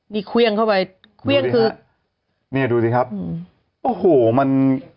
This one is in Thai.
นี่เครื่องเข้าไปเครื่องคือเนี่ยดูสิครับโอ้โหมัน